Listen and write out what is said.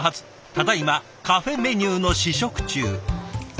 ただいまカフェメニューの試食中。